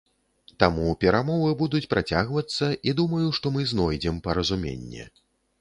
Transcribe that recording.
Таму перамовы будуць працягвацца, і думаю, што мы знойдзем паразуменне.